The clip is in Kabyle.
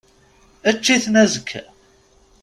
Ečč-iten, azekka!